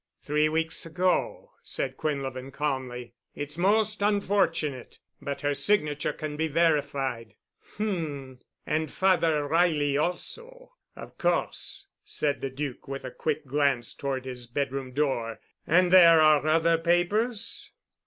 "Three weeks ago," said Quinlevin calmly. "It's most unfortunate—but her signature can be verified." "H—m. And Father Reilly also. Of course," said the Duc with a quick glance toward his bedroom door. "And there are other papers?"